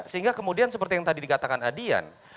sehingga kemudian seperti yang tadi dikatakan adian